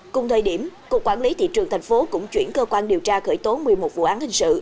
cùng thời điểm cục quản lý thị trường thành phố cũng chuyển cơ quan điều tra khởi tố một mươi một vụ án hình sự